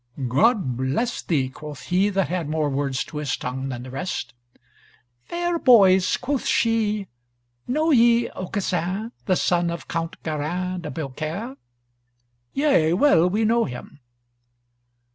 "God bless thee," quoth he that had more words to his tongue than the rest. "Fair boys," quoth she, "know ye Aucassin, the son of Count Garin de Biaucaire?" "Yea, well we know him."